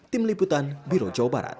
tim liputan biro jawa barat